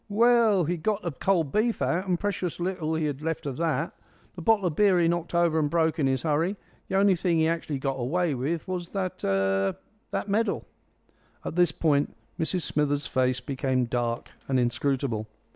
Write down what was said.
"Well, 'e'd got the cold beef out, and precious little he'd have left of it. The bottle of beer he knocked over and broke in his hurry. The only thing he actually got away with was that er that medal." At this point Mrs Smithers' face became dark and inscrutable.